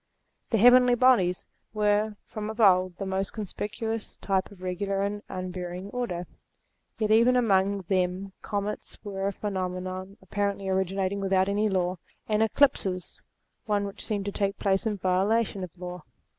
The heavenly bodies were from of old the most conspicuous types of regular and unvarying order : yet even among them comets were a phenomenon apparently originating without any law, and eclipses, one which seemed to take place in violation of law.